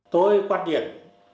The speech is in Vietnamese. tôi quan điểm